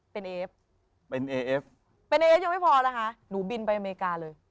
เป็นเอฟเป็นเอเอฟเป็นเอเอฟยังไม่พอนะคะหนูบินไปอเมริกาเลย